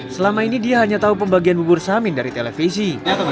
selama ini dia hanya tahu pembagian bubur samin dari televisi